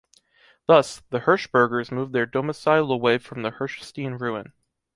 Thus, the Hirschbergers moved their domicile away from the Hirschstein ruin.